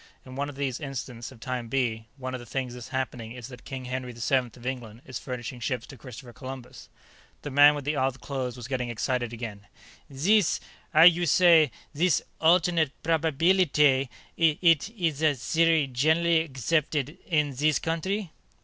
In one of these instants of Time B, one of the things that's happening is that King Henry the Seventh of England is furnishing ships to Christopher Columbus." The man with the odd clothes was getting excited again. "Zees 'ow you say zees alternate probabeelitay; eet ees a theory zhenerally accept' een zees countree?"